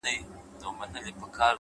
مهربان الفاظ ژور اغېز لري،